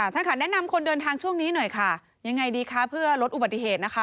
ท่านค่ะแนะนำคนเดินทางช่วงนี้หน่อยค่ะยังไงดีคะเพื่อลดอุบัติเหตุนะคะ